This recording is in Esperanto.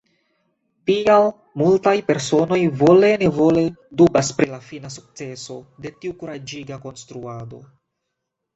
Tial multaj personoj vole-nevole dubas pri la fina sukceso de tiu kuraĝiga konstruado.